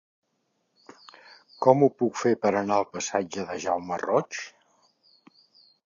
Com ho puc fer per anar al passatge de Jaume Roig?